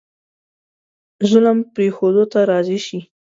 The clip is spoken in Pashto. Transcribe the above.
د ظلم پرېښودو ته راضي شي.